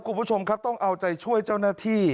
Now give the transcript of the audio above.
คุณผู้ชมครับต้องเอาใจช่วยเจ้าหน้าที่